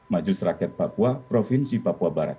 majelis rakyat papua provinsi papua barat